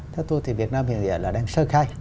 theo tôi thì việt nam hiện giờ là đang sơ khai